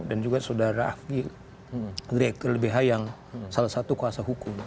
dan juga saudara afgi direktur lbh yang salah satu kuasa hukum